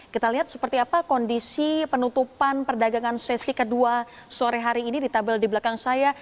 kita lihat seperti apa kondisi penutupan perdagangan sesi kedua sore hari ini di tabel di belakang saya